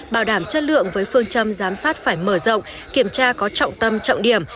bảo đảm chất lượng với phương châm giám sát phải mở rộng kiểm tra có trọng tâm trọng điểm